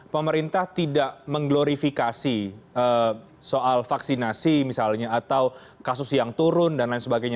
pemerintah tidak mengglorifikasi soal vaksinasi misalnya atau kasus yang turun dan lain sebagainya